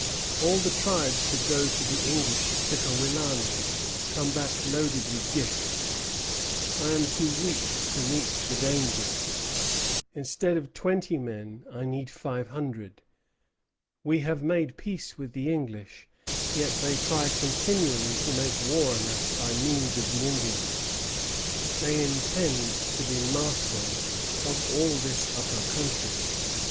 All the tribes who go to the English at Pickawillany come back loaded with gifts. I am too weak to meet the danger. Instead of twenty men, I need five hundred.... We have made peace with the English, yet they try continually to make war on us by means of the Indians; they intend to be masters of all this upper country.